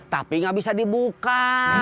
tapi gak bisa dibuka